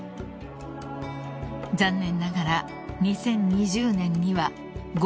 ［残念ながら２０２０年には］